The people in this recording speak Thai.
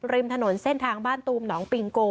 ริมถนนเส้นทางบ้านตูมหนองปิงโก